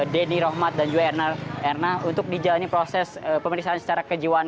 denny rohmat dan juga erna untuk dijalani proses pemeriksaan secara kejiwaan